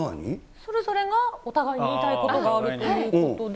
それぞれがお互いに言いたいことがあるということで。